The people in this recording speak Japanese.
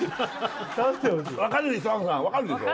分かるでしょ？